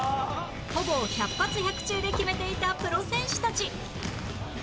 ほぼ百発百中で決めていたプロ選手たち